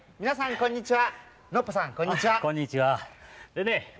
こんにちは。